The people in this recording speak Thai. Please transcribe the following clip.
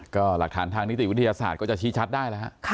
ก็หลักฐานทางนิติวิทยาศาสตร์ก็จะชี้ชัดได้แล้วฮะ